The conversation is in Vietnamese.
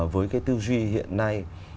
với cái tư duy hiện nay